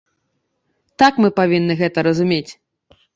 Так мы павінны гэта разумець.